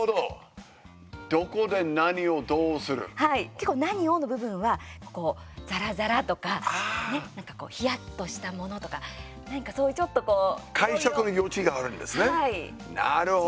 結構、何を、の部分はザラザラとか、なんかこうひやっとしたものとかなんかそういう、ちょっとこう解釈の余地があるんですね、なるほど。